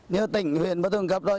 như tỉnh huyện bà tôi cũng gặp rồi